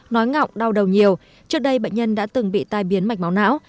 nói ngọng đau đầu nhiều trước đây bệnh nhân đã từng bị tai biến mạch máu não